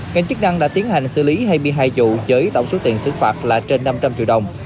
ngành chức năng đã tiến hành xử lý hai mươi hai vụ với tổng số tiền xử phạt là trên năm trăm linh triệu đồng